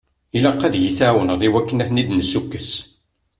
Ilaq ad yi-tɛawneḍ i wakken ad ten-id-nessukkes.